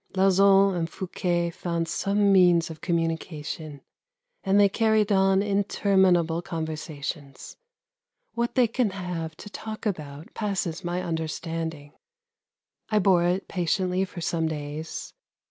Lauzun and Fouquet found some means of communication and they carried on interminable conversations. What they can have to talk about passes my understanding. I bore it patiently for some days.